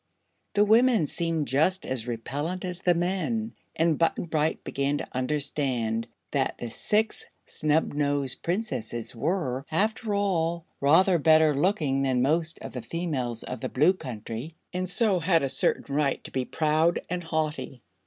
The women seemed just as repellent as the men, and Button Bright began to understand that the Six Snubnosed Princesses were, after all, rather better looking than most of the females of the Blue Country and so had a certain right to be proud and haughty.